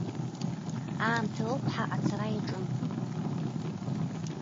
Аамҭа ықәҳа ацара иаҿын.